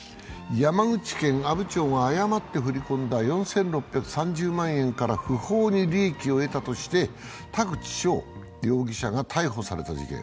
山口県阿武町が誤って振り込んだ４６３０万円から不法に利益を得たとして田口翔容疑者が逮捕された事件。